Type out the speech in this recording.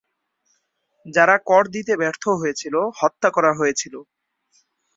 যারা কর দিতে ব্যর্থ হয়েছিল হত্যা করা হয়েছিল।